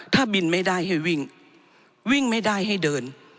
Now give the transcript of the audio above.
ถ้าบินไม่ได้ให้วิ่งวิ่งไม่ได้ให้เดิน